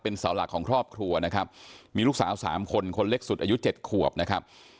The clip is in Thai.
เสาหลักของครอบครัวนะครับมีลูกสาวสามคนคนเล็กสุดอายุเจ็ดขวบนะครับ